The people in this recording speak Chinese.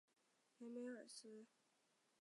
梅梅尔斯是德国图林根州的一个市镇。